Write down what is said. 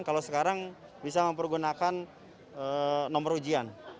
kalau sekarang bisa mempergunakan nomor ujian